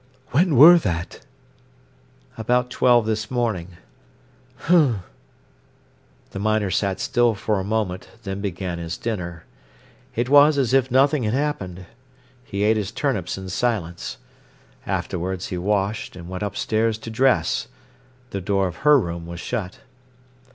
"When wor that?" "About twelve this morning." "H'm!" The miner sat still for a moment, then began his dinner. It was as if nothing had happened. He ate his turnips in silence. Afterwards he washed and went upstairs to dress. The door of her room was shut.